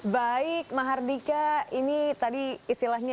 baik mahardika ini tadi istilahnya